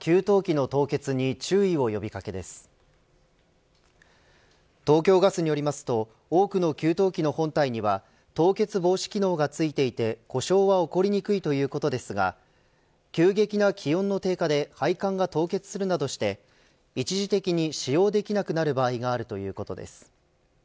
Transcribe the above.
東京ガスによりますと多くの給湯器の本体には凍結防止機能がついていて故障は起こりにくいということですが急激な気温の低下で配管が凍結するなどして一時的に使用できなくなる場合があるということです。